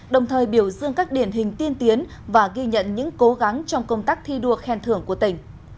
đồng thời biểu dương các điển hình tiên tiến và ghi nhận những cố gắng trong công tác thi đua khen thưởng của tỉnh